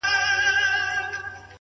د نورو بریا ستایل سترتوب دی,